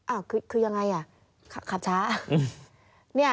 อ้าวคือยังไงขับช้า